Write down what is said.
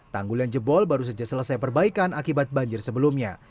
tanggul yang jebol baru saja selesai perbaikan akibat banjir sebelumnya